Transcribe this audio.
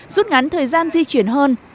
rút ngắn thời gian di chuyển hơn